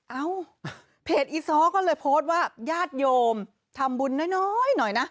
เอ้าเพจอีซ้อก็เลยโพสต์ว่าญาติโยมทำบุญน้อยหน่อยนะ